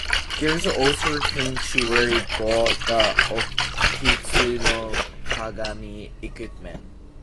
There's also a hint to where it got the Okitsu-no-Kagami equipment.